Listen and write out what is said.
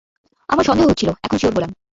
আমার সন্দেহ হচ্ছিল, এখন শিওর হলাম।